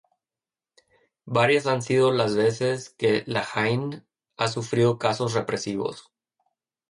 Varias han sido las veces que La Haine ha sufrido casos represivos.